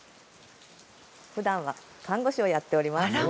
ふだんは看護師をやっております。